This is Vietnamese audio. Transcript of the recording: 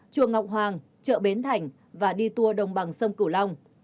chùa ngọc hoàng chợ bến thành và đi tour đồng bằng sông cửu long